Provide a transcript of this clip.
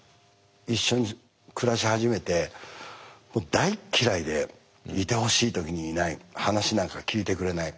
一緒に暮らし始めてもう大嫌いでいてほしい時にいない話なんか聞いてくれない。